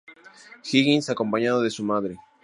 Higgins acompañado de su madre.